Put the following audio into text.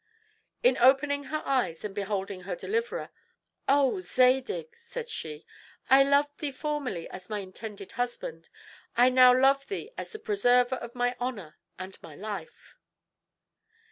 On opening her eyes and beholding her deliverer. "O Zadig!" said she, "I loved thee formerly as my intended husband; I now love thee as the preserver of my honor and my life."